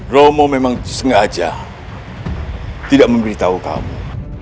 romo memang sengaja tidak memberitahu kamu